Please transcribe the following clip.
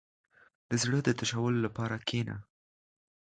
• د زړۀ د تشولو لپاره کښېنه.